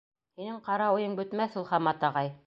— Һинең ҡара уйың бөтмәҫ ул, Хаммат ағай.